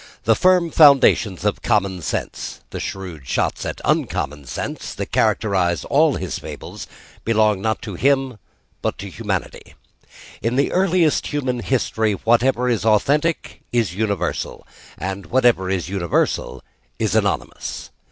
The firm foundations of common sense, the shrewd shots at uncommon sense, that characterise all the Fables, belong not him but to humanity. In the earliest human history whatever is authentic is universal: and whatever is universal is anonymous.